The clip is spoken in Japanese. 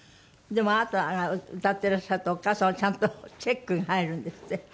でもあなたが歌っていらっしゃるとお母様ちゃんとチェックが入るんですって？